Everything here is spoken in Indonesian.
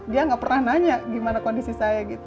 dia gak pernah nanya gimana kondisi saya gitu